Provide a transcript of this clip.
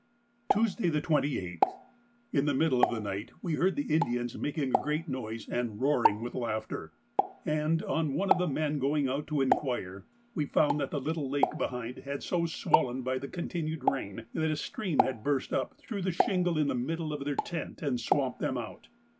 Tuesday, the 28th.—In the middle of the night we heard the Indians making a great noise and roaring with laughter, and, on one of the men going out to inquire, we found that the little lake behind had been so swollen by the continued rain, that a stream had burst up through the shingle in the middle of their tent and swamped them out.